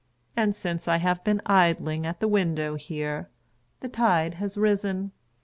And since I have been idling at the window here, the tide has risen.